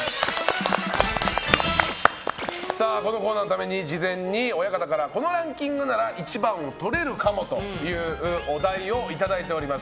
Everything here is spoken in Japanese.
このコーナーのために事前に親方からこのランキングなら一番を取れるかもというお題をいただいております。